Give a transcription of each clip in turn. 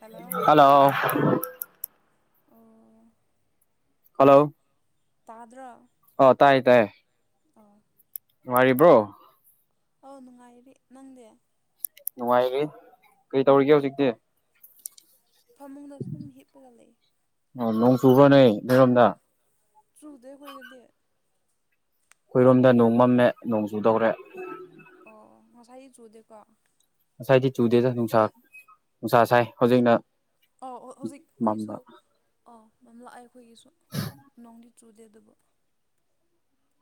hello hello ꯑꯣ hello ꯇꯥꯗ꯭ꯔꯣ ꯑꯣ ꯇꯥꯏ ꯇꯥꯏꯌꯦ ꯑꯣ ꯅꯨꯉꯥꯏꯔꯤꯕ꯭ꯔꯣ ꯑꯧ ꯅꯨꯡꯉꯥꯏꯔꯤ ꯅꯪꯗꯤ ꯅꯨꯡꯉꯥꯏꯔꯤ ꯀꯩ ꯇꯧꯔꯤꯒꯦ ꯍꯧꯖꯤꯛꯇꯤ ꯐꯃꯨꯡꯗ ꯁꯨꯝ ꯍꯤꯞꯄꯒ ꯂꯩ ꯆꯨꯕ꯭ꯔꯅꯦ ꯅꯣꯏꯔꯣꯝꯗ ꯆꯨꯗꯦ ꯑꯈꯣꯏꯗꯗꯤ ꯑꯩꯈꯣꯏꯔꯣꯝꯗ ꯅꯣꯡ ꯃꯝꯃꯦ ꯅꯣꯡ ꯆꯨꯗꯧꯔꯦ ꯑꯣ ꯉꯁꯥꯏꯒꯤ ꯆꯨꯗꯦꯀꯣ ꯉꯁꯥꯏꯗꯤ ꯆꯨꯗꯦꯗ ꯅꯨꯡꯁꯥ ꯅꯨꯡꯁꯥ ꯁꯥꯏ ꯍꯧꯖꯤꯛꯅ ꯑꯧ ꯑꯣ ꯍꯧꯖꯤꯛ ꯑꯩꯈꯣꯏꯁꯨ ꯃꯝꯕ ꯑꯥꯎ ꯌꯥꯝ ꯂꯥꯛꯑꯦ ꯑꯩꯈꯣꯏꯒꯤꯁꯨ ꯅꯣꯡꯗꯤ ꯆꯨꯗꯦ ꯑꯗꯨꯕꯨ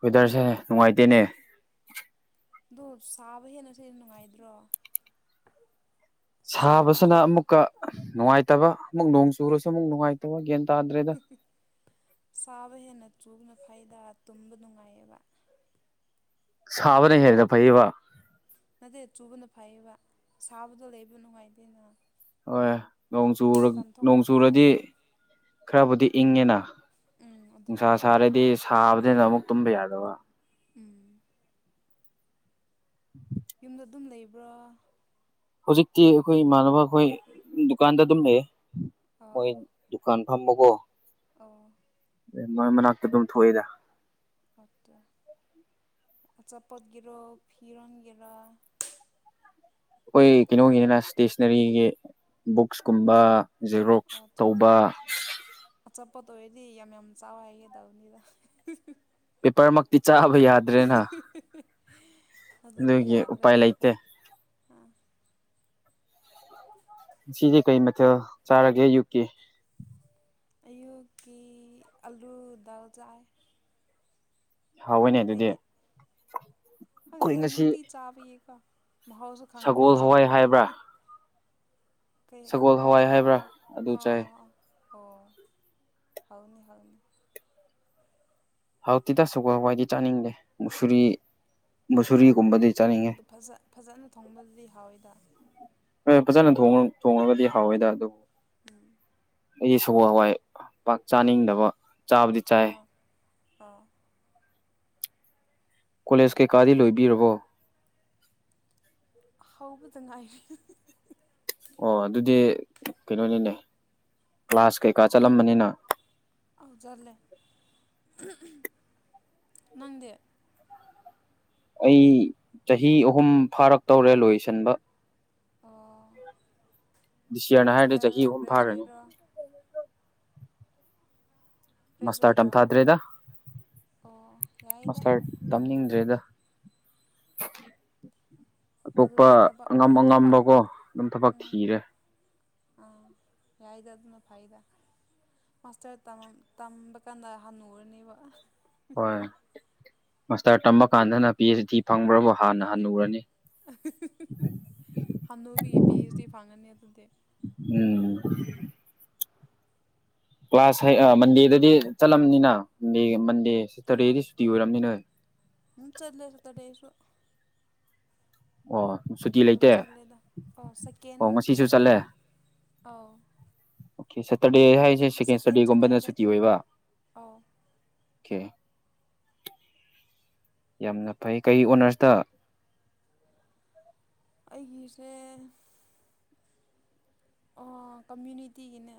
ꯋꯦꯗꯔꯁꯦ ꯅꯨꯡꯉꯥꯏꯇꯦꯅꯦ ꯑꯣ ꯁꯥꯕ ꯍꯦꯟꯅꯁ ꯅꯨꯡꯉꯥꯏꯗ꯭ꯔꯣ ꯁꯥꯕꯁꯨ ꯁꯥꯕꯁꯤꯅ ꯑꯃꯨꯛꯀ ꯅꯨꯡꯉꯥꯏꯇꯕ ꯑꯃꯨꯛ ꯅꯣꯡ ꯆꯨꯔꯁꯨ ꯑꯃꯨꯛ ꯅꯨꯡꯉꯥꯏꯇꯕ ꯇꯥꯗ꯭ꯔꯦꯗ ꯍꯤ ꯍꯤ ꯁꯥꯕꯦꯅ ꯆꯨꯕꯅ ꯐꯩꯗ ꯇꯨꯝꯕ ꯅꯨꯡꯉꯥꯏꯌꯦꯕ ꯁꯥꯕꯅ ꯍꯦꯔꯦꯗ ꯐꯩꯌꯦꯕ ꯅꯠꯇꯦ ꯆꯨꯕꯅ ꯐꯩꯌꯦꯕ ꯁꯥꯕꯗꯣ ꯂꯩꯕ ꯅꯨꯡꯉꯥꯏꯇꯦꯅ ꯍꯣꯏ ꯅꯣꯡ ꯆꯨ ꯃꯄꯥꯟ ꯅꯣꯡ ꯊꯣꯛꯄꯁꯨ ꯆꯨꯔꯗꯤ ꯌꯥꯗꯦ ꯈꯔꯕꯨꯗꯤ ꯏꯪꯉꯦꯅ ꯎꯝ ꯑꯗꯨꯒꯤ ꯅꯨꯡꯁꯥ ꯅꯨꯡꯉꯥꯏꯌꯦꯕ ꯁꯥꯔꯗꯤ ꯁꯥꯕꯗꯤꯅ ꯑꯃꯨꯛ ꯇꯨꯝꯕ ꯌꯥꯗꯕ ꯎꯝ ꯌꯨꯝꯗ ꯑꯗꯨꯝ ꯂꯩꯕ꯭ꯔꯣ ꯍꯧꯖꯤꯛꯇꯤ ꯑꯩꯈꯣꯏ ꯏꯃꯥꯟꯅꯕ ꯑꯩꯈꯣꯏ ꯗꯨꯀꯥꯟꯗ ꯑꯗꯨꯝ ꯂꯩꯌꯦ ꯃꯣꯏ ꯑꯥ ꯗꯨꯀꯥꯟ ꯑꯃꯀꯣ ꯑꯣ ꯑꯦ ꯃꯣꯏ ꯃꯅꯥꯛꯇ ꯑꯗꯨꯝ ꯊꯣꯛꯑꯦꯗ [unintelligible] ꯑꯆꯥꯄꯠ ꯔꯣ ꯐꯔꯣꯟꯒꯔ ꯑꯩꯈꯣꯏ ꯀꯩꯅꯣꯒꯤꯅꯤꯅ ꯏꯁꯇꯦꯁꯅꯔꯤꯒꯤ ꯕꯨꯛꯁꯀꯨꯝꯕ ꯑꯣ ꯖꯦꯔꯣꯛꯁ ꯇꯧꯕ ꯆꯠꯄꯣ ꯇ ꯑꯣꯏꯔꯗꯤ ꯌꯥꯝ ꯌꯥꯝ ꯆꯥꯎꯋꯦ ꯍꯥꯏꯒꯦ ꯇꯕꯅꯤꯗ ꯄꯦꯄꯔꯃꯛꯇꯤ ꯆꯥꯕ ꯌꯥꯗ꯭ꯔꯦꯅ ꯑꯗꯨꯗꯤ ꯑꯗꯨꯒꯤ ꯌꯥꯗ꯭ꯔꯦ ꯎꯄꯥꯏ ꯂꯩꯇꯦ ꯑꯥ ꯁꯤꯗꯤ ꯀꯩ ꯃꯊꯦꯜ ꯆꯥꯔꯒꯦ ꯑꯌꯨꯛꯀꯤ ꯑꯌꯨꯀꯤ ꯑꯂꯨ ꯗꯜ ꯆꯥꯏ ꯍꯥꯎꯋꯦꯅꯦ ꯑꯗꯨꯗꯤ ꯅꯣꯏꯗꯤ ꯑꯩꯈꯣꯏ ꯍꯪꯗ ꯉꯁꯤ ꯅꯨꯡꯇꯤ ꯆꯥꯕꯌꯦꯀꯣ ꯃꯍꯥꯎꯁꯨ ꯈꯪꯗ꯭ꯔꯦ ꯁꯒꯣꯜ ꯍꯋꯥꯏ ꯍꯧꯖꯤꯛꯇꯤ ꯍꯥꯏꯕ꯭ꯔꯥ ꯀꯩ ꯁꯒꯣꯜ ꯑꯣ ꯍꯋꯥꯏ ꯑꯣ ꯍꯥꯏꯕ꯭ꯔꯥ ꯑꯣ ꯑꯗꯨ ꯑꯣ ꯆꯥꯏ ꯑꯣ ꯑꯣ ꯑꯣ ꯑꯣ ꯍꯥꯎꯅꯤ ꯍꯥꯎꯅꯤ ꯍꯋꯥꯏꯇꯦꯗ ꯇꯒꯣꯜ ꯍꯋꯥꯏꯗꯤ ꯆꯥꯅꯤꯡꯗꯦ ꯃꯨꯁꯔꯤ ꯃꯨꯁꯨꯔꯤꯒꯨꯝꯕꯗꯤ ꯆꯥꯅꯤꯡꯉꯦ ꯑꯗꯨ ꯐꯖ ꯐꯖꯅ ꯊꯣꯡꯕꯗꯨꯗꯤ ꯍꯥꯎꯋꯤꯗ ꯑꯣ ꯐꯖꯅ ꯊꯣꯡꯉꯒꯗꯤ ꯍꯥꯎꯋꯦꯗ ꯑꯗꯨꯕꯨ ꯎꯝ ꯑꯩꯗ ꯁꯒꯣ ꯍꯋꯥꯏ ꯄꯥꯛ ꯆꯥꯅꯤꯡꯗꯕ ꯆꯥꯕꯨꯗꯤ ꯆꯥꯏ ꯑꯥ ꯀꯣꯂꯦꯖ ꯀꯩꯀꯥꯗꯤ ꯂꯣꯏꯕꯤꯔꯕꯣ ꯍꯧꯕꯗ ꯉꯥꯏꯔꯤ ꯑꯣ ꯑꯗꯨꯗꯤ ꯀꯩꯅꯣꯅꯤꯅꯦ ꯀ꯭ꯂꯥꯁ ꯀꯩꯀꯥ ꯆꯠꯂꯝꯕꯅꯤꯅ ꯑꯎ ꯖꯠꯂꯦ ꯅꯪꯗꯤ ꯑꯩ ꯆꯍꯤ ꯑꯍꯨꯝ ꯐꯥꯔꯛꯇꯧꯔꯦ ꯂꯣꯏꯁꯤꯟꯕ ꯑꯣ ꯗꯤꯁꯤꯌꯥꯅ ꯍꯥꯏꯔꯗꯤ ꯆꯍꯤ ꯃꯥꯁꯇꯔꯔꯣ ꯑꯍꯨꯝ ꯐꯥꯔꯅꯤ ꯒ꯭ꯔꯦꯖꯨꯋꯦꯠꯔꯣ ꯃꯥꯁꯇꯔ ꯒ꯭ꯔꯦꯖꯨꯋꯦꯠꯔꯣ ꯇꯝꯊꯥꯗ꯭ꯔꯦꯗ ꯑꯣ ꯌꯥꯏꯗ ꯃꯥꯁꯇꯔ ꯇꯝꯅꯤꯡꯗ꯭ꯔꯦꯗ [inaudible] ꯑꯇꯣꯞꯄ ꯑꯗꯨꯗꯤ ꯊꯕꯛ ꯑꯉꯝ ꯊꯕꯛ ꯑꯉꯝꯕꯀꯣ ꯑꯗꯨꯝ ꯊꯕꯛ ꯎꯝ ꯊꯤꯔꯦ ꯑꯥ ꯌꯥꯎꯗ ꯑꯗꯨꯅ ꯐꯥꯏꯗ ꯃꯥꯁꯇꯔ ꯇꯝ ꯇꯝꯕ ꯀꯥꯟꯗ ꯍꯜꯟꯅꯨꯔꯅꯦꯕ ꯍꯣꯏ ꯃꯥꯁꯇꯔ ꯇꯝꯃ ꯀꯥꯟꯗꯅ ꯄꯤ ꯑꯩꯆ ꯗꯤ ꯐꯪꯕ꯭ꯔꯕꯨ ꯍꯥꯟꯅ ꯍꯜꯂꯨꯔꯅꯤ ꯍꯥꯅꯨꯕꯤ ꯄꯤꯑꯆꯗꯤ ꯐꯪꯒꯅꯤ ꯑꯗꯨꯗꯤ ꯎꯝ ꯀ꯭ꯂꯥꯁ ꯃꯟꯗꯦꯗꯗꯤ ꯆꯠꯂꯝꯅꯤꯅꯟꯗꯦ ꯃꯟꯗꯦ ꯁꯦꯇꯔꯗꯦꯗꯤ ꯁꯨꯇꯤ ꯑꯣꯏꯔꯕꯝꯅꯤ ꯅꯣꯏ ꯍꯝ ꯆꯠꯂꯦ ꯁꯥꯇ꯭ꯔꯗꯦ ꯁꯨ ꯑꯣ ꯁꯨꯇꯤ ꯑꯗꯨꯝ ꯂꯩꯇꯦ ꯆꯠꯂꯦꯗ ꯑꯥ ꯁꯀꯦꯟ ꯑꯣ ꯉꯁꯤꯁꯨ ꯆꯠꯂꯦ ꯁꯀꯦꯟ ꯑꯥꯎ ꯑꯣꯀꯦ ꯁꯦꯇꯔꯗꯦ ꯍꯥꯏꯁꯦ ꯁꯦꯀꯦꯟ ꯁꯇꯔꯗꯦꯒꯨꯝꯕꯅ ꯁꯇꯔꯗꯦ ꯁꯨꯇꯤ ꯑꯣꯏꯕ ꯑꯧ ꯑꯣꯀꯦ [inaudible] ꯌꯥꯝꯅ ꯐꯩ ꯀꯩ ꯑꯣꯅꯔꯁꯇ ꯑꯩꯒꯤꯁꯦ ꯑꯣ ꯀꯃꯨꯅꯤꯇꯤꯒꯤꯅ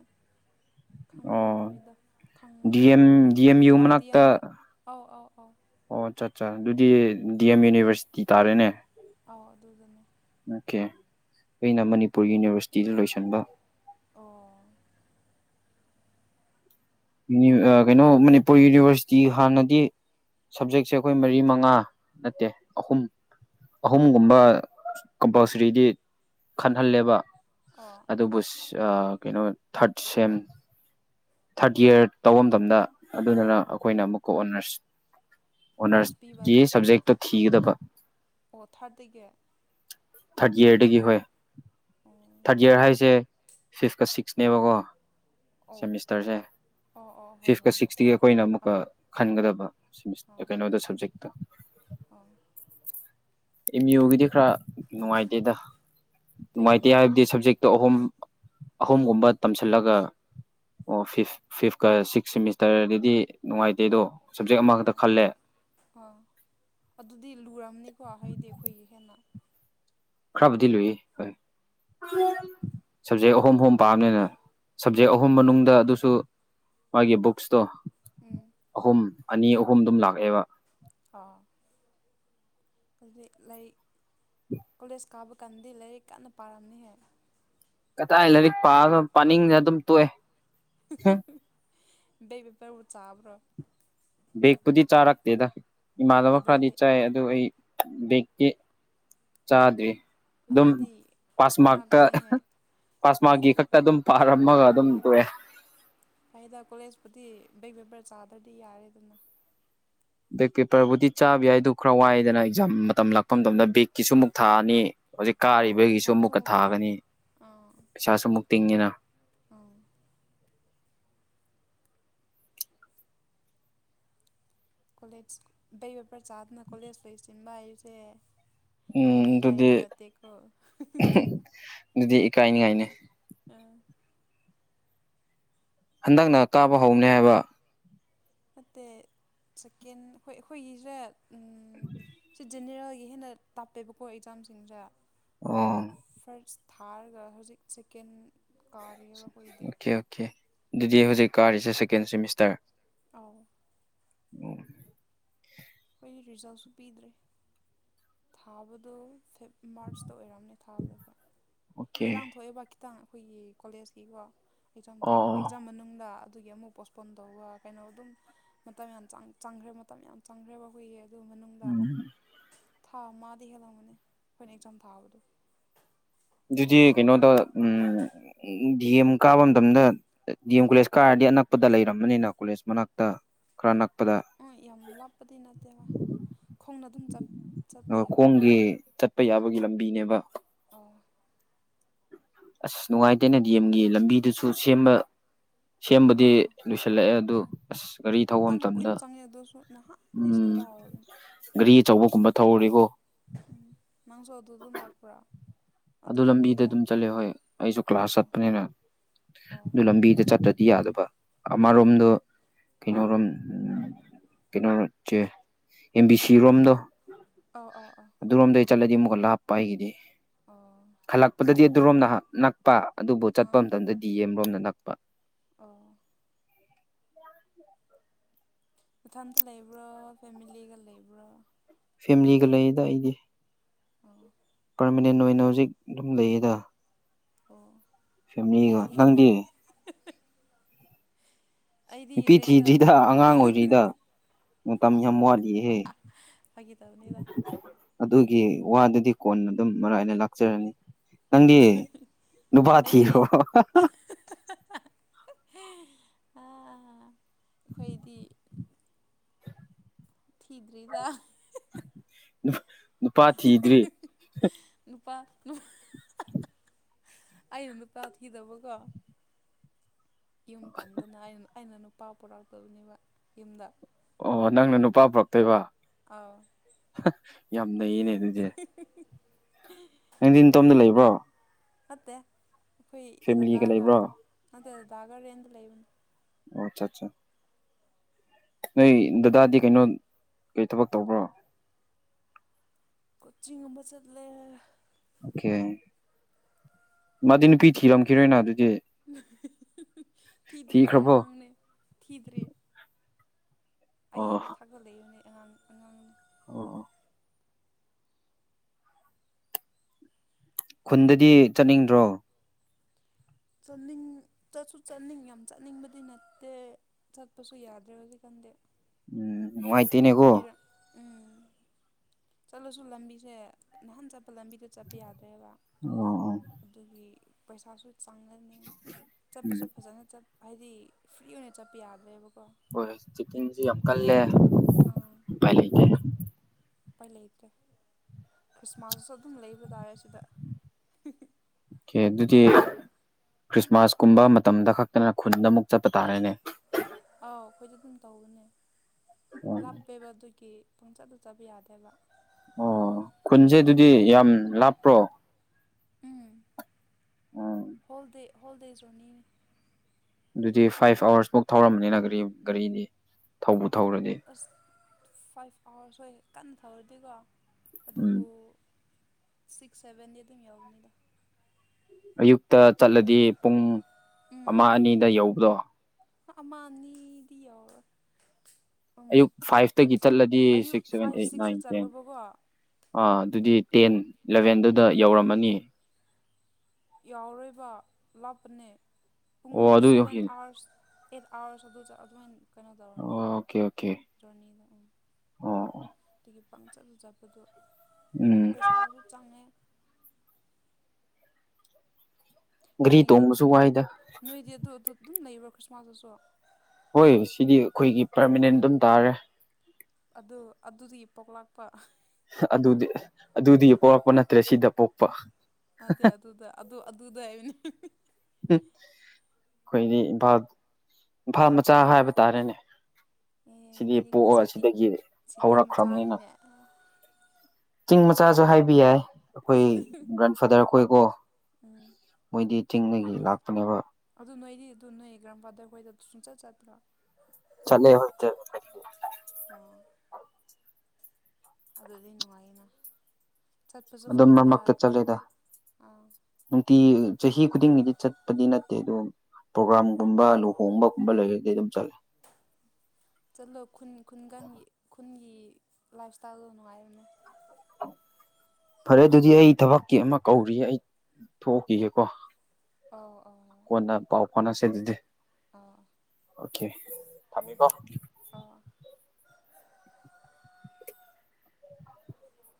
ꯑꯣ ꯈꯪꯉꯝꯃꯣꯏꯗ ꯗꯤ ꯈꯪꯒꯗ꯭ꯔꯥ ꯑꯦꯝ ꯗꯤ ꯑꯦꯝ ꯌꯨ ꯑꯎ ꯗꯤ ꯃꯅꯥꯛꯇ ꯑꯦꯝ ꯗ ꯑꯥꯎ ꯑꯥꯎ ꯑꯥꯎ ꯑꯣ ꯑꯠꯆꯥ ꯑꯠꯆꯥ ꯑꯗꯨꯗꯤ ꯗꯤ ꯑꯦꯝ ꯌꯨꯅꯤꯕꯔꯁꯤꯇꯤ ꯇꯥꯔꯦꯅꯦ ꯑ ꯑꯗꯨꯗꯅꯤ ꯑꯣꯀꯦ ꯑꯩꯅ ꯃꯅꯤꯄꯨꯔ ꯌꯨꯅꯤꯚꯔꯁꯤꯇꯤꯗ ꯂꯣꯏꯁꯤꯟꯕ ꯑꯣ ꯀꯩꯅꯣ ꯃꯅꯤꯄꯨꯔ ꯌꯨꯅꯤꯚꯔꯁꯤꯇꯤ ꯍꯥꯟꯅꯗꯤ ꯁꯕꯖꯦꯛꯁꯦ ꯑꯩꯈꯣꯏ ꯃꯔꯤ ꯃꯉꯥ ꯅꯠꯇꯦ ꯑꯍꯨꯝ ꯑꯍꯨꯝꯒꯨꯝꯕ ꯀꯝꯄꯜꯁꯔꯤꯗꯤ ꯈꯟꯍꯜꯂꯦꯕ ꯑꯣ ꯑꯗꯨꯕꯨ ꯀꯩꯅꯣ ꯊꯥꯔꯠ ꯁꯦꯝ ꯊꯥꯔꯠ ꯏꯌꯥꯔ ꯇꯧꯕ ꯃꯇꯝꯗ ꯑꯗꯨꯗꯨꯅ ꯑꯣ ꯑꯩꯈꯣꯏꯅ ꯑꯃꯨꯛꯀ ꯑꯣꯟꯅꯔꯁꯤ ꯑꯣꯅꯔꯁ ꯄꯤꯕ ꯑꯣꯅꯔꯁꯀꯤ ꯑꯗꯨ ꯁꯕꯖꯦꯛꯇꯣ ꯊꯤꯒꯗꯕ ꯑꯣ ꯊꯥꯔꯠꯇꯒꯤ ꯑꯣ ꯊꯥꯔꯠ ꯌꯔꯗꯒꯤ ꯍꯣꯏ ꯊꯥꯔꯠ ꯏꯌꯥꯔ ꯍꯥꯏꯁꯦ ꯐꯤꯐꯀ ꯁꯤꯛꯁꯅꯦꯕꯀꯣ ꯑꯧ ꯁꯦꯃꯤꯁꯇꯔꯁꯦ ꯑꯣ ꯑꯣ ꯍꯣꯏ ꯐꯤꯐꯀ ꯍꯣꯏ ꯍꯣꯏ ꯁꯤꯛꯁꯇꯒꯤ ꯑꯩꯈꯣꯏꯅ ꯑꯃꯨꯛꯀ ꯑꯥ ꯈꯟꯒꯗꯕ ꯑꯥ ꯀꯩꯅꯣꯗ ꯁꯕꯖꯦꯛꯇ [inaudible] ꯑꯥ ꯑꯦꯝ ꯌꯨꯒꯤꯗꯤ ꯈꯔ ꯅꯨꯡꯉꯥꯏꯇꯦꯗ ꯅꯨꯡꯉꯥꯏꯇꯦ ꯀꯩꯒꯤꯅꯣ ꯍꯥꯏꯕꯗꯤ ꯁꯕꯖꯦꯛꯇꯣ ꯑꯍꯨꯝ ꯑꯍꯨꯝꯒꯨꯝꯕ ꯇꯝꯁꯤꯜꯂꯒ ꯑꯣ ꯐꯤꯐ ꯐꯤꯐꯀ ꯁꯤꯛꯁ ꯁꯦꯃꯤꯁꯇꯔꯗꯗꯤ ꯅꯨꯡꯉꯥꯏꯇꯦ ꯑꯗꯣ ꯍꯧꯖꯤꯛ ꯑꯃꯈꯛꯇ ꯑꯣ ꯈꯜꯂꯦ ꯑꯥ ꯑꯗꯨꯗꯤ ꯂꯨꯝꯅꯤꯀꯣ ꯍꯥꯏꯗꯤ ꯑꯩꯈꯣꯏꯒꯤ ꯍꯦꯟꯅ ꯈꯔꯕꯨꯗꯤ ꯂꯨꯏꯏ ꯍꯣꯏ ꯁꯕꯖꯦꯛ ꯑꯍꯨꯝ ꯑꯍꯨꯝ ꯄꯥꯕꯅꯤꯅ ꯁꯕꯖꯦꯛ ꯑꯍꯨꯝ ꯑꯥ ꯃꯅꯨꯡꯗ ꯑꯗꯨꯁꯨ ꯃꯥꯒꯤ ꯕꯨꯛꯁꯇꯣ ꯎꯝ ꯑꯍꯨꯝ ꯑꯅꯤ ꯑꯍꯨꯝ ꯑꯗꯨꯝ ꯂꯥꯛꯑꯦꯕ ꯑꯥ ꯑꯗꯨꯗꯤ ꯂꯥꯏꯔꯛ ꯀꯣꯂꯦꯖ ꯀꯥꯕ ꯀꯥꯟꯗꯗꯤ ꯂꯥꯏꯔꯤꯛ ꯀꯟꯅ ꯄꯥꯔꯝꯅꯤ ꯍꯦ ꯀꯗꯥꯏ ꯂꯥꯏꯔꯤꯛ ꯄꯥꯒ ꯄꯥꯅꯤꯡꯗ ꯑꯗꯨꯝ ꯇꯣꯛꯑꯦ ꯕꯦꯛ ꯄꯦꯄꯔꯄꯨ ꯆꯥꯎꯥꯕꯔ ꯕꯦꯛꯄꯨꯗꯤ ꯆꯥꯔꯛꯇꯦꯗ ꯏꯃꯥꯟꯅꯕ ꯈꯔꯗꯤ ꯑꯗꯨꯗꯤ ꯆꯥꯏ ꯑꯗꯨ ꯑꯩ ꯕꯦꯛꯗꯤ ꯆꯥꯗ꯭ꯔꯦ ꯑꯗꯨꯝ ꯑꯗꯨꯗꯤ ꯄꯥꯁꯃꯥꯔꯛꯇ ꯑꯉꯥꯛꯄꯅꯤꯍꯦ ꯄꯥꯁꯃꯥꯔꯛꯀꯤ ꯈꯛꯇ ꯑꯗꯨꯝ ꯐꯔꯝꯃꯒ ꯑꯗꯨꯝ ꯇꯣꯛꯑꯦ ꯑꯩꯗ ꯀꯣꯂꯦꯖꯄꯨꯗꯤ ꯕꯦꯛ ꯄꯦꯄꯔ ꯆꯥꯗ꯭ꯔꯗꯤ ꯌꯥꯔꯦ ꯑꯗꯨꯅ ꯕꯦꯛ ꯄꯦꯄꯔꯕꯨꯗꯤ ꯆꯥꯕ ꯌꯥꯏꯗ ꯈꯔ ꯋꯥꯏꯗꯅ ꯑꯦꯛꯖꯥꯝ ꯃꯇꯝ ꯂꯥꯛꯄ ꯃꯇꯝꯗ ꯕꯦꯛꯀꯤꯁꯨ ꯑꯃꯨꯛ ꯊꯥꯛꯑꯅꯤ ꯍꯧꯖꯤꯛ ꯑꯧ ꯀꯥꯔꯤꯕꯒꯤꯁꯨ ꯄꯩꯁꯥꯁꯨ ꯑꯃꯨꯛꯀ ꯑꯃꯨꯛ ꯊꯥꯒꯅꯤ ꯄꯤꯅꯤ ꯑꯥ ꯄꯩꯁꯥꯁꯨ ꯑꯃꯨꯛ ꯇꯤꯡꯉꯤꯅ ꯑꯥ ꯀꯣꯂꯦꯖ ꯕꯩ ꯕꯦꯄꯔ ꯆꯥꯗꯅ ꯀꯣꯂꯦꯖ ꯂꯩꯁꯤꯟꯕ ꯍꯥꯏꯁꯦ ꯎꯝ ꯑꯗꯨꯗꯤ ꯑꯗꯨꯗꯤ ꯏꯀꯥꯏꯅꯤꯉꯥꯏꯅꯤ ꯑꯥ ꯍꯟꯗꯛꯅ ꯀꯥꯕ ꯍꯧꯅꯦ ꯍꯥꯏꯕ ꯅꯠꯇꯦ ꯁꯦꯀꯦꯟ ꯑꯩꯈꯣꯏ ꯑꯩꯈꯣꯏꯒꯤꯁꯤꯗ ꯖꯦꯅꯦꯔꯦꯜꯒꯤ ꯍꯦꯟꯅ ꯇꯥꯞꯄꯦꯕꯀꯣ ꯑꯦꯛꯖꯥꯝꯁꯤꯡꯁꯦ ꯑꯣ ꯊꯥꯔꯒ ꯍꯧꯖꯤꯛ ꯁꯦꯀꯦꯟ ꯀꯥꯔꯤꯑꯕ ꯑꯩꯈꯣꯏꯒꯤꯗꯤ ꯑꯣꯀꯦ ꯑꯣꯀꯦ ꯑꯗꯨꯗꯤ ꯍꯧꯖꯤꯛ ꯀꯥꯔꯤꯁꯦ ꯁꯦꯀꯦꯟ ꯁꯦꯃꯤꯁꯇꯔ ꯑꯎ ꯎꯝ ꯑꯩꯈꯣꯏꯗ ꯔꯤꯖꯜꯁꯨ ꯄꯤꯗ꯭ꯔꯦ ꯊꯥꯕꯗꯣ ꯐꯦꯞ ꯃꯥꯔꯁꯇ ꯑꯣꯏꯔꯝꯅꯦ ꯊꯥꯕꯗꯨ ꯑꯩꯈꯣꯏ ꯑꯣꯀꯦ ꯏꯔꯥꯡ ꯊꯣꯛꯑꯦꯕ ꯈꯤꯇꯪ ꯑꯩꯈꯣꯏꯒꯤ ꯀꯣꯂꯦꯖꯀꯤꯀꯣ ꯑꯦꯛꯖꯥꯝ ꯊꯥ ꯑꯣ ꯑꯣ ꯑꯦꯛꯖꯥꯝ ꯃꯅꯨꯡꯗ ꯑꯗꯨꯒꯤ ꯑꯃꯨꯛ ꯄꯣꯁꯄꯣꯟ ꯇꯧꯕ ꯀꯩꯅꯣ ꯑꯗꯨꯝ ꯃꯇꯝ ꯌꯥꯝ ꯆꯪꯈ꯭ꯔꯦ ꯃꯇꯝ ꯌꯥꯝ ꯆꯪꯈ꯭ꯔꯦꯕ ꯑꯩꯈꯣꯏꯒꯤ ꯑꯗꯨ ꯃꯅꯨꯡꯗ ꯎꯝ ꯊꯥ ꯑꯃꯗ ꯍꯦꯜꯂꯝꯒꯅꯤ ꯑꯩꯈꯣꯏꯅ ꯑꯦꯛꯖꯥꯝ ꯊꯥꯕꯗꯣ ꯑꯗꯨꯗꯤ ꯀꯩꯅꯣꯗ ꯎꯝ ꯎꯝ ꯗꯤ ꯑꯦꯝ ꯀꯥꯕ ꯃꯇꯝꯗ ꯗꯤ ꯑꯦꯝ ꯀꯣꯂꯦꯖ ꯀꯥꯔꯗꯤ ꯑꯅꯛꯄꯗ ꯂꯩꯔꯝꯕꯅꯤꯅ ꯀꯣꯂꯦꯖ ꯃꯅꯥꯛꯇ ꯈꯔ ꯅꯛ ꯎ ꯌꯥꯝꯂ ꯂꯞꯄꯗꯤ ꯅꯠꯇꯕ ꯈꯣꯡꯅ ꯑꯗꯨꯝ ꯆꯠꯄ ꯌꯥꯕꯦ ꯒꯤ ꯂꯝꯕꯤꯅꯦꯕ ꯑꯁ ꯅꯨꯡꯉꯥꯏꯇꯦꯅꯦ ꯗꯤ ꯑꯦꯝꯒꯤ ꯂꯝꯕꯤꯗꯨꯁꯨ ꯁꯦꯝꯕ ꯁꯦꯝꯕꯗꯤ ꯑꯧ ꯂꯣꯏꯁꯤꯜꯂꯛꯑꯦ ꯑꯗꯨ ꯑꯁ ꯒꯥꯔꯤ ꯊꯧꯕ ꯃꯇꯝ ꯃꯇꯝꯗ ꯀꯨꯏꯅ ꯆꯪꯉꯦ ꯑꯗꯨꯁꯨ ꯅꯍꯥꯟꯗꯤ ꯎꯝ ꯁꯦꯝꯕ ꯍꯧꯔꯕꯅꯤ ꯒꯥꯔꯤ ꯑꯆꯧꯕꯒꯨꯝꯕ ꯊꯧꯔꯤꯀꯣ ꯎꯝ ꯅꯪꯁꯨ ꯑꯗꯨ ꯑꯗꯨꯝ ꯂꯥꯛꯄ꯭ꯔꯥ ꯑꯗꯨ ꯂꯝꯕꯤꯗ ꯑꯗꯨꯝ ꯆꯠꯂꯦ ꯍꯣꯏ ꯑꯩꯁꯨ ꯀ꯭ꯂꯥꯁ ꯑꯣ ꯆꯠꯄꯅꯤꯅ ꯑꯣ ꯑꯗꯨ ꯂꯝꯕꯤꯗ ꯆ ꯌꯥꯗꯕ ꯎꯝ ꯑꯃꯔꯣꯝꯗꯣ ꯀꯩꯅꯣꯔꯣꯝ ꯀꯩꯅꯣ ꯆꯦ ꯑꯦꯝ ꯕꯤ ꯁꯤ ꯔꯣꯝꯗꯣ ꯑꯣ ꯑꯣ ꯑꯣ ꯑꯗꯨꯔꯣꯝꯗꯩ ꯆꯠꯂꯗꯤ ꯑꯃꯨꯛꯀ ꯂꯥꯞꯄ ꯑꯩꯒꯤꯗꯤ ꯑꯣ ꯈꯜꯂꯛꯄꯗꯗꯤ ꯑꯗꯨꯔꯣꯝꯅ ꯅꯛꯄ ꯑꯗꯨꯕꯨ ꯑꯥ ꯆꯠꯄ ꯃꯇꯝꯗꯗꯤ ꯗꯤ ꯑꯦꯝꯔꯣꯝꯅ ꯅꯛꯄ ꯑꯣ ꯅꯊꯟꯇ ꯂꯩꯕ꯭ꯔꯣ ꯐꯦꯃꯤꯂꯤꯒ ꯂꯩꯕ꯭ꯔꯣ ꯐꯦꯃꯤꯂꯤꯒ ꯂꯩꯌꯦꯗ ꯑꯩꯗꯤ ꯑꯣ ꯄꯔꯃꯤꯅꯦꯟ ꯑꯣꯏꯅ ꯍꯧꯖꯤꯛ ꯑꯗꯨꯝ ꯂꯩꯌꯦꯗ ꯑꯣ ꯅꯨꯄꯤ ꯐꯦꯃꯤꯂꯤꯒ ꯊꯤ ꯅꯪꯗꯤ ꯑꯩꯗꯤ ꯅꯨꯄꯤ ꯔꯦꯟꯗ ꯊꯤꯗ꯭ꯔꯤꯗ ꯑꯉꯥꯡ ꯑꯣꯏꯗ꯭ꯔꯤꯗ ꯃꯇꯝ ꯌꯥꯝ ꯋꯥꯠꯂꯤ ꯏꯍꯦ ꯐꯥꯒꯤ ꯇꯧꯕꯅꯤꯗ ꯑꯗꯨꯒꯤ ꯋꯥꯗꯨꯗꯤ ꯀꯣꯟꯅ ꯑꯗꯨꯝ ꯃꯔꯥꯏꯅ ꯂꯥꯛꯆꯔꯅꯤ ꯅꯪꯗꯤ ꯅꯨꯄꯥ ꯑꯩꯗꯤ ꯊꯤꯔꯣ [inaudible] ꯑꯥ ꯑꯩꯈꯣꯏꯗꯤ ꯊꯤꯗ꯭ꯔꯤꯗ ꯅꯨꯄꯥ ꯊꯤꯗ꯭ꯔꯤ ꯅꯨꯄꯥ ꯑꯩꯅ ꯅꯨꯄꯥ ꯊꯤꯗꯧꯕ ꯀꯣ ꯌꯨꯝ ꯄꯟꯗꯅ ꯑꯩꯅ ꯑꯩꯅ ꯅꯨꯄꯥ ꯄꯨꯣꯔꯥꯛꯇꯧꯕꯅꯦꯕ ꯌꯨꯝꯗ ꯑꯣ ꯅꯪꯅ ꯅꯨꯄꯥ ꯄꯨꯔꯛꯇꯣꯏꯕ ꯑꯧ ꯌꯥꯝ ꯅꯩꯅꯥ ꯑꯗꯨꯗꯤ [unintelligible] ꯅꯪꯗꯤ ꯅꯇꯣꯡꯇ ꯂꯩꯕꯣ ꯅꯠꯇꯦ ꯑꯩꯈꯣꯏ ꯗꯥꯗꯥꯒ ꯂꯩꯕ꯭ꯔꯣ ꯅꯠꯇꯦ ꯗꯥꯗꯥꯒ ꯔꯦꯟꯠꯇ ꯂꯩꯕꯅꯤ ꯑꯣ ꯑꯆꯥ ꯑꯠꯆꯥ ꯅꯣꯏ ꯗꯥꯗꯥꯗꯤ ꯀꯩꯅꯣ ꯀꯩ ꯊꯕꯛ ꯇꯧꯕ꯭ꯔꯣ ꯀꯣꯆꯤꯡ ꯑꯃ ꯆꯠꯂꯦ ꯑꯣꯀꯦ ꯃꯥꯗꯤ ꯅꯨꯄꯤ ꯊꯤꯔꯝꯈꯤꯔꯣꯏꯅ ꯑꯗꯨꯗꯤ ꯊꯤꯗ꯭ꯔꯤꯌꯦ ꯊꯤꯈ꯭ꯔꯕꯣ ꯑꯉꯥꯡꯅꯦ ꯊꯤꯗ꯭ꯔꯤꯌꯦ ꯑꯩꯒꯤ ꯃꯊꯛꯇ ꯂꯩꯌꯦꯅꯦ ꯑꯉꯥꯡ ꯑꯉꯥꯡ ꯑꯣ ꯑꯣ ꯈꯨꯟꯗꯗꯤ ꯆꯠꯅꯤꯡꯗ꯭ꯔꯣ ꯆꯠꯅꯤꯡ ꯆꯠꯁꯨ ꯆꯠꯅꯤꯡ ꯌꯥꯝ ꯆꯠꯅꯤꯡꯕꯗꯤ ꯅꯠꯇꯦ ꯆꯠꯄꯁꯨ ꯌꯥꯗ꯭ꯔꯦ ꯍꯧꯖꯤꯛꯀꯥꯟꯗꯤ ꯎꯝ ꯅꯨꯡꯉꯥꯏꯇꯦꯅꯦ ꯀꯣ ꯏꯔꯥꯡ ꯎꯝ ꯆꯠꯂꯁꯨ ꯂꯝꯕꯤꯁꯦ ꯅꯥꯍꯟ ꯆ ꯑ ꯂꯝꯕꯤꯗ ꯆꯠꯄ ꯌꯥꯗ꯭ꯔꯦꯕ ꯑꯣ ꯑꯣ ꯑꯗꯨꯒꯤ ꯄꯩꯁꯥꯁꯨ ꯆꯪꯡꯒꯅꯤ ꯎꯝ ꯆꯠꯄꯁꯨ ꯐꯖꯅ ꯆꯠ ꯍꯥꯏꯗꯤ ꯐ꯭ꯔꯤ ꯑꯣꯏꯅ ꯆꯠꯄ ꯌꯥꯗ꯭ꯔꯦꯕꯀꯣ ꯍꯣꯏ ꯍꯣꯏ ꯆꯦꯛꯀꯤꯡꯖꯨ ꯌꯥꯝ ꯀꯜꯂꯦ ꯑꯥ ꯎꯄꯥꯏ ꯂꯩꯇꯦ ꯎꯄꯥꯏ ꯂꯩꯇ꯭ꯔꯦ ꯈ꯭ꯔꯤꯁꯃꯥꯁꯇꯁꯨ ꯑꯗꯨꯝ ꯂꯩꯕ ꯇꯥꯔꯦ ꯁꯤꯗ ꯑꯣꯀꯦ ꯑꯗꯨꯗꯤ ꯈ꯭ꯔꯤꯁꯃꯥꯁ ꯀꯨꯝꯕ ꯃꯇꯝꯗ ꯈꯛꯇꯅ ꯈꯨꯟꯗ ꯑꯃꯨꯛ ꯆꯠꯄ ꯇꯥꯔꯦꯅꯦ ꯑꯥꯎ ꯑꯩꯈꯣꯏꯗꯤ ꯑꯗꯨꯝ ꯇꯧꯕꯅꯦ ꯂꯥꯞꯄꯦꯕ ꯑꯗꯨꯒꯤ ꯄꯨꯡ ꯆꯠꯇ ꯆꯠꯕ ꯌꯥꯗꯦꯕ ꯑꯣ ꯈꯨꯟꯁꯦ ꯑꯗꯨꯗꯤ ꯌꯥꯝ ꯂꯥꯞꯄ꯭ꯔꯣ ꯎꯝ ꯑꯣ ꯍꯣꯜꯗꯦ ꯍꯣꯜꯗꯦ ꯖ꯭ꯔꯣꯅꯤꯅꯦ ꯑꯗꯨꯗꯤ ꯐꯥꯏꯚ ꯑꯋꯥꯔꯁ ꯐꯥꯎ ꯊꯧꯔꯝꯅꯤꯅ ꯒꯥꯔꯤ ꯒꯥꯔꯤꯗꯤ ꯊꯧꯕ ꯑꯁ ꯐꯥꯏꯚ ꯑꯥꯋꯥꯔꯁ ꯍ ꯀꯟꯅ ꯊꯧꯔꯗꯤꯀꯣ ꯎꯝ ꯑꯗꯨꯕꯨ ꯁꯤꯛꯁ ꯁꯚꯦꯟꯗꯤ ꯑꯗꯨꯝ ꯌꯥꯎꯕꯅꯤꯗ ꯑꯌꯨꯛꯇ ꯆꯠꯂꯗꯤ ꯄꯨꯡ ꯑꯃ ꯎꯝ ꯑꯌꯨꯛ ꯑꯅꯤꯗ ꯌꯧꯕꯗꯣ ꯑꯃ ꯑꯅꯤꯗꯤ ꯌꯧꯔꯣꯏ ꯑꯌꯨꯛ ꯎꯝ ꯐꯥꯏꯚꯇꯒꯤ ꯆꯠꯂꯗꯤ ꯑꯌꯨꯛ six seven five eight nine ꯁꯤꯛꯁꯇ ꯇꯦꯟ ꯆꯠꯂꯨꯕꯀꯣ ꯑꯥ ꯑꯗꯨꯗꯤ ꯇꯦꯟ ꯏꯂꯚꯦꯟꯗꯨꯗ ꯌꯧꯔꯝꯃꯅꯤ ꯌꯥꯎꯔꯔꯣꯏꯕ ꯂꯥꯞꯄꯅꯦ ꯄꯨꯡ ꯑꯣ ꯑꯗꯨ ꯁꯚꯦꯟ ꯑꯥꯋꯔꯁ ꯑꯦꯠ ꯑꯋꯥꯔꯁ ꯑꯗꯨ ꯑꯗꯨꯝ ꯀꯩꯅꯣ ꯇꯧꯕꯅꯦ ꯑꯣꯀꯦ ꯑꯣꯀꯦ ꯖꯔꯅꯤ ꯎꯝ ꯑꯣ ꯆꯠꯆꯪ ꯆꯪꯔꯗꯩ ꯎꯝ ꯄꯩꯁꯥꯁꯨ ꯆꯪꯉꯦ ꯒꯥꯔꯤ ꯅꯣꯏꯗꯤ ꯇꯣꯡꯕꯁꯨ ꯅꯣꯏ ꯋꯥꯏꯗ ꯅꯣꯏꯗꯤ ꯑꯗꯨ ꯑꯗꯨ ꯑꯗꯨꯝ ꯂꯩꯕ꯭ꯔꯣ ꯈ꯭ꯔꯤꯁꯃꯥꯁꯇꯁꯨ ꯍꯣꯏ ꯁꯤꯗꯤ ꯑꯩꯈꯣꯏꯒꯤ ꯄꯔꯃꯅꯦꯟ ꯑꯗꯨꯝ ꯇꯥꯔꯦ ꯑꯗꯨ ꯑꯗꯨꯗꯤ ꯄꯣꯛ ꯂꯥꯛꯄ ꯑꯗꯨꯗꯤ ꯑꯗꯨꯗꯤ ꯄꯣꯛꯣꯔꯛꯄ ꯅꯠꯇ꯭ꯔꯦ ꯁꯤꯗ ꯄꯣꯛꯄ ꯑꯗꯦ ꯑꯗꯨꯗ ꯑꯗꯨ ꯑꯗꯨꯗ ꯍꯥꯏꯅꯦ ꯑꯩꯈꯣꯏꯗꯤ ꯏꯝꯐꯥꯜ ꯏꯝꯐꯥꯜ ꯃꯆꯥ ꯍꯥꯏꯕ ꯇꯥꯔꯦꯅꯦ ꯑꯦ ꯁꯤꯗꯤ ꯃꯤꯗꯤꯀꯣ ꯄꯣꯛꯑꯒ ꯁꯤꯇꯤ ꯁꯤꯗꯒꯤ ꯁꯤꯇꯤ ꯍꯧꯔꯛꯈ꯭ꯔꯕꯅꯤꯅ ꯃꯆꯥꯅꯤꯅꯦ ꯄꯤꯡ ꯃꯆꯥꯁꯨ ꯍꯥꯏꯕ ꯌꯥꯏ ꯑꯩꯈꯣꯏ ꯒ꯭ꯔꯥꯟ ꯐꯥꯗꯔ ꯑꯩꯈꯣꯏꯀꯣ ꯎꯝ ꯃꯣꯏꯗꯤ ꯆꯤꯡꯗꯒꯤ ꯂꯥꯛꯄꯅꯦꯕ ꯑꯗꯨ ꯅꯣꯏꯗꯤ ꯑꯗꯨ ꯅꯣꯏ ꯒ꯭ꯔꯥꯟꯐ꯭ꯥꯗꯔ ꯍꯣꯏꯗ ꯑꯗꯨ ꯁꯨꯝꯆꯠ ꯆꯠꯇ꯭ꯔꯥ ꯆꯠꯂꯦ ꯍꯣꯏ ꯆꯠꯂꯦ ꯑꯣ ꯑꯗꯨꯗꯤ ꯅꯨꯡꯉꯥꯏꯅ ꯑꯗꯨꯝ ꯃꯔꯃꯛꯇ ꯆꯠꯂꯦꯗ ꯑꯥ ꯑꯣ ꯅꯨꯡꯇꯤ ꯆꯍꯤ ꯈꯨꯗꯤꯡꯒꯤꯗꯤ ꯆꯠ ꯆꯠꯄꯗꯤ ꯅꯠꯇꯦ ꯑꯗꯨ ꯑꯣ ꯄ꯭ꯔꯣꯒ꯭ꯔꯥꯝꯒꯨꯝꯕ ꯂꯨꯍꯣꯡꯕꯒꯨꯝꯕ ꯂꯩꯔꯗꯤ ꯑꯗꯨꯝ ꯆꯠꯂꯦ ꯆꯠꯂꯣ ꯈꯨꯟ ꯈꯨꯟꯒꯪꯒꯤ ꯈꯨꯟꯒꯤ ꯂꯥꯏꯞ ꯏꯁꯇꯥꯏꯜꯗꯣ ꯅꯨꯡꯉꯥꯏꯕꯅꯦ ꯐꯔꯦ ꯑꯗꯨꯗꯤ ꯑꯩ ꯊꯕꯛꯀꯤ ꯑꯃ ꯀꯧꯔꯤꯌꯦ ꯑꯩ ꯊꯣꯛꯈꯤꯒꯦꯀꯣ ꯑꯧ ꯀꯅ ꯄꯥꯎ ꯐꯥꯎꯅꯁꯦ ꯑꯗꯨꯗꯤ ꯑꯥ ꯑꯣꯀꯦ ꯊꯝꯃꯦ ꯀꯣ ꯑꯧ [unintelligible]